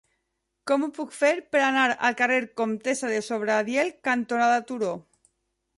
Com ho puc fer per anar al carrer Comtessa de Sobradiel cantonada Turó?